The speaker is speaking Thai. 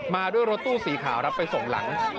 มาด้วยรถตู้สีขาวรับไปส่งหลัง